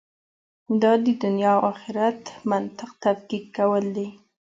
دا د دنیا او آخرت منطق تفکیکول دي.